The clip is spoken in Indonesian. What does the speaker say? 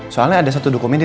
seolahnya ada satu dokumen iran